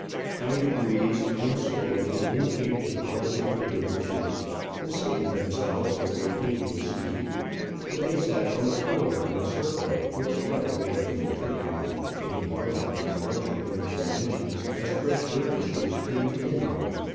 By degrees, and slowly, in came the college of the dervishes, and seated themselves as their dean was seated; but they sat on the floor in a circle, which spread away from the tribune, getting larger and larger in its dimensions as fresh dervishes came in.